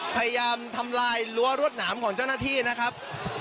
พยายามทำลายรั้วรวดหนามของเจ้าหน้าที่นะครับ